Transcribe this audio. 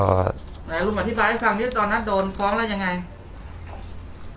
แล้วลุงอธิบายข้างนี้ตอนนั้นโดนฟ้องแล้วยังไง